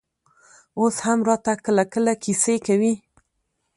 اوس هم راته کله کله کيسې کوي.